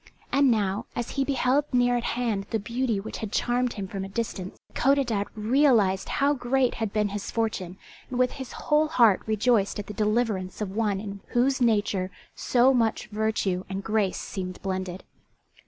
And now, as he beheld near at hand the beauty which had charmed him from a distance, Codadad realized how great had been his fortune, and with his whole heart rejoiced at the deliverance of one in whose nature so much virtue and grace seemed blended.